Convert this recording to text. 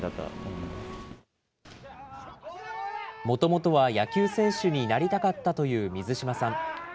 もともとは野球選手になりたかったという水島さん。